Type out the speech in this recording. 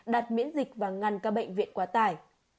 đặt miễn dịch và ngăn các bệnh viện quá tải